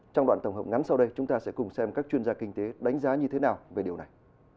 trong đoạn tổng hợp ngắn sau đây chúng ta sẽ cùng xem các chuyên gia kinh tế đánh giá như thế nào về điều này